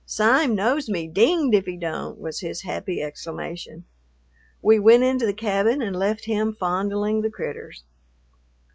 "Sime knows me, dinged if he don't!" was his happy exclamation. We went into the cabin and left him fondling the "critters."